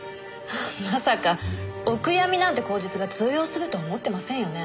まさかお悔やみなんて口実が通用すると思ってませんよね？